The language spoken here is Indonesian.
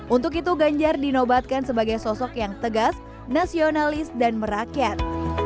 untuk itu ganjar dinobatkan sebagai sosok yang tegas nasionalis dan merakyat